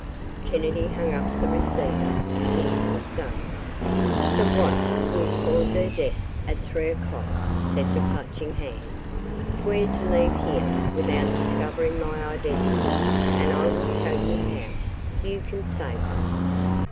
Kennedy hung up the receiver. He was stunned. "The watch will cause her death at three o'clock," said the Clutching Hand. "Swear to leave here without discovering my identity and I will tell you how. You can save her!"